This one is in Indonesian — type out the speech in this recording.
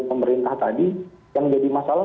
pemerintah tadi yang jadi masalah